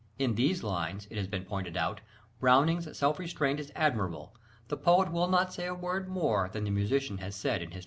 In these lines, it has been pointed out, "Browning's self restraint is admirable.... The poet will not say a word more than the musician has said in his Toccata."